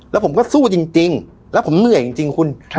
แล้วผมก็สู้จริงจริงแล้วผมเหนื่อยจริงจริงคุณครับ